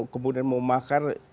kemudian mau makar